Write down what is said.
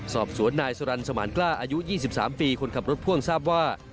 สอบสวนนายสุรรณสมานกล้าอายุ๒๓ปีคนขับรถพ่วงทราบว่า